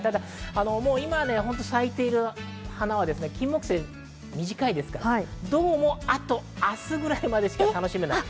今咲いている花はキンモクセイ、短いですからどうも明日ぐらいまでしか楽しめない。